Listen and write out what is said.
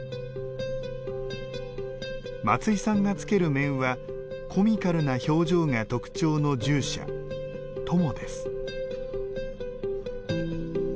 松井さんがつける面はコミカルな表情が特徴の従者供です。